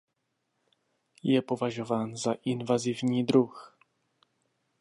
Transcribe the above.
Je považován za invazivní druh.